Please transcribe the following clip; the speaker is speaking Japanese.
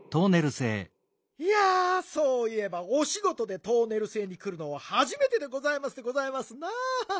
いやそういえばおしごとでトーネルせいにくるのははじめてでございますでございますな。